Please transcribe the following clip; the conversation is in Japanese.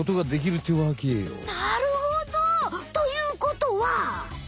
なるほど！ということは？